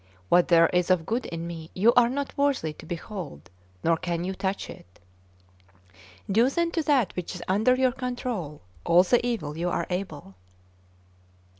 What there is of good in me, you are not worthy to behold, nor can you touch it. Do then to that which is under your control all the evil you are able."